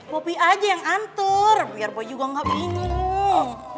popi aja yang antur biar boy juga ga bingung